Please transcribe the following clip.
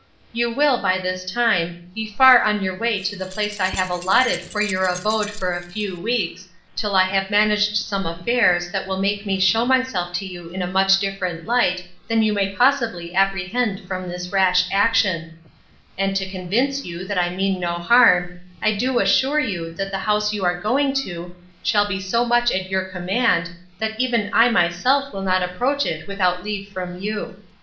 'You will, by this time, be far on your way to the place I have allotted for your abode for a few weeks, till I have managed some affairs, that will make me shew myself to you in a much different light, than you may possibly apprehend from this rash action: And to convince you, that I mean no harm, I do assure you, that the house you are going to, shall be so much at your command, that even I myself will not approach it without leave from you.